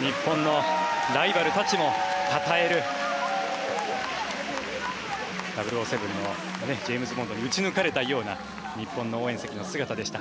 日本のライバルたちも、たたえる「００７」のジェームズ・ボンドに撃ち抜かれたような日本の応援席の姿でした。